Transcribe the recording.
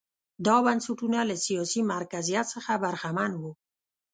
دا بنسټونه له سیاسي مرکزیت څخه برخمن وو.